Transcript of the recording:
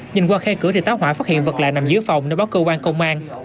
nhìn qua khe cửa thì táo hỏa phát hiện vật lại nằm dưới phòng nên báo cơ quan công an